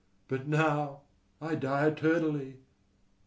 but now I die eternally.